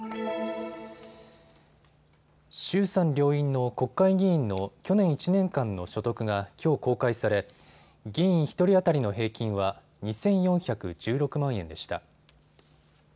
衆参両院の国会議員の去年１年間の所得がきょう公開され議員１人当たりの平均は２４１６万円でした。